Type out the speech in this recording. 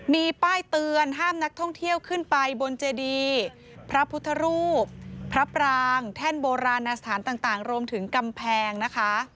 มีป้ายเตือนห้ามนักท่องเที่ยวขึ้นไปบนเจดีพระพุทธรูปพระปรางแท่นโบราณสถานต่างรวมถึงกำแพงนะคะ